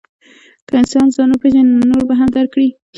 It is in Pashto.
که انسان ځان وپېژني، نو نور به هم درک کړي.